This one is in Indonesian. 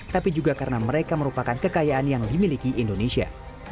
tapi juga karena mereka merupakan kekayaan yang dimiliki indonesia